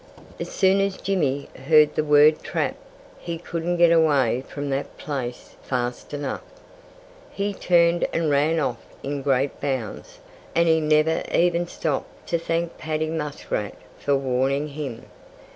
As soon as Jimmy heard the word "trap" he couldn't get away from that place fast enough. He turned and ran off in great bounds; and he never even stopped to thank Paddy Muskrat for warning him.